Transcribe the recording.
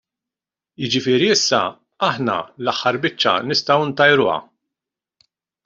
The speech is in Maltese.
Jiġifieri issa aħna l-aħħar biċċa, nistgħu ntajruha.